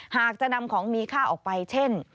หากจะนำของมีค่าออกไปเช่น